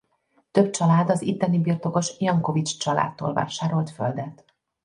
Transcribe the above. Több család az itteni birtokos Jankovich családtól vásárolt földet.